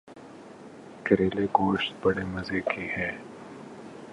کریلے گوشت بڑے مزے کے ہیں